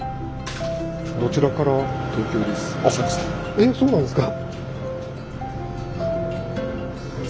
えっそうなんですか？